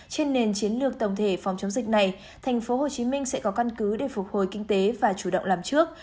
trên nền chiến lược tổng thể phòng chống dịch này thành phố hồ chí minh sẽ có căn cứ để phục hồi kinh tế và chủ động làm trước